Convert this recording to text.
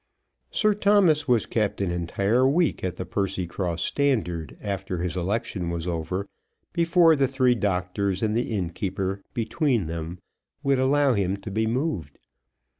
Sir Thomas was kept an entire week at the Percycross Standard after his election was over before the three doctors and the innkeeper between them would allow him to be moved.